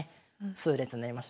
痛烈になりました。